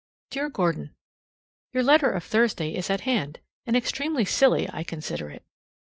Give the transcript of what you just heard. Dear Gordon: Your letter of Thursday is at hand, and extremely silly I consider it.